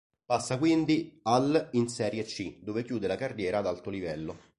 Passa quindi al in Serie C, dove chiude la carriera ad alto livello.